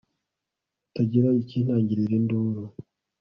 hatagira ikintangirira induru